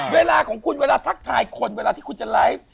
เวลาของคุณเวลาทักทายคนเวลาที่คุณจะไลฟ์